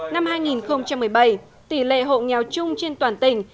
năm hai nghìn một mươi bảy tỷ lệ hộ nghèo chung trên toàn tỉnh